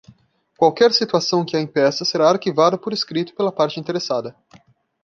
Qualquer situação que a impeça será arquivada por escrito pela parte interessada.